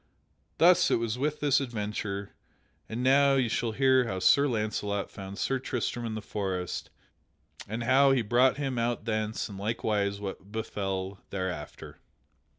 Thus it was with this adventure. And now you shall hear how Sir Launcelot found Sir Tristram in the forest and how he brought him out thence and likewise what befell thereafter.